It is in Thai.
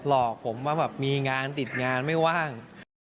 หลอกผมว่าแบบมีงานติดงานไม่ว่าง